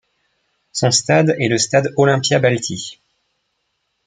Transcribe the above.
Son stade est le Stade Olimpia Bălți.